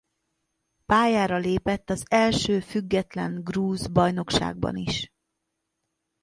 Pályára lépett az első független grúz bajnokságban is.